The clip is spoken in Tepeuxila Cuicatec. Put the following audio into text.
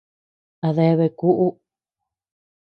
A deabea kuʼu.